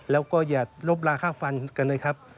แล้วก็อย่าลบลาค่าฟันกันนะครับ